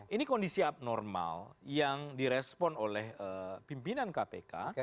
ini kondisi abnormal yang direspon oleh pimpinan kpk